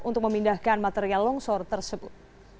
untuk memindahkan material longsor tersebut